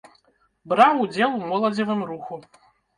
Браў удзел у моладзевым руху.